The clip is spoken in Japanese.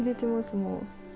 もう。